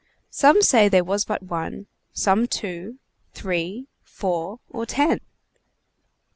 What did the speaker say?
Some say there was but one; some two, three, four, or ten.